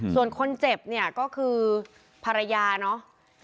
ส่วนคนเจ็บเนี่ยก็คือภรรยาเนาะ